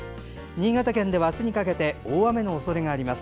新潟県では明日にかけて大雨となるおそれがあります。